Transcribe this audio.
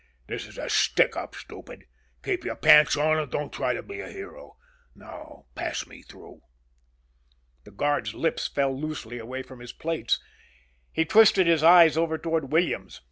"This is a stick up, stupid.... Keep your pants on an' don't try to be a hero. Now, pass me through!" The guard's lips fell loosely away from his plates. He twisted his eyes over toward Williams.